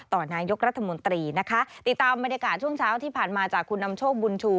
นายกรัฐมนตรีนะคะติดตามบรรยากาศช่วงเช้าที่ผ่านมาจากคุณนำโชคบุญชู